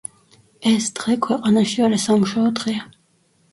ეს დღე ქვეყანაში არასამუშაო დღეა.